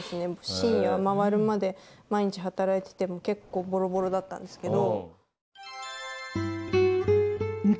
深夜回るまで毎日働いててもう結構ボロボロだったんですけど。